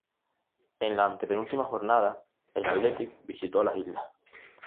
En la antepenúltima jornada, el Athletic visitó las islas.